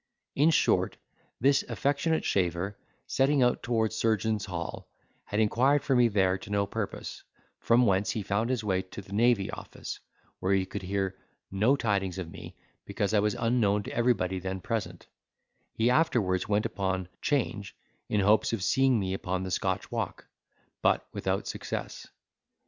In short, this affectionate shaver, setting out towards Surgeons' Hall, had inquired for me there to no purpose: from whence he found his way to the Navy Office, where he could hear no tidings of me, because I was unknown to everybody then present; he afterwards went upon 'Change, in hopes of seeing me upon the Scotch walk, but without success.